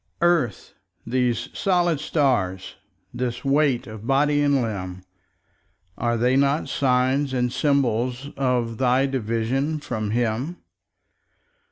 Earth, these solid stars, this weight of body and limb, Are they not sign and symbol of thy division from Him?